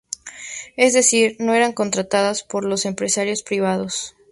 Es decir, no eran contratadas por los empresarios privados.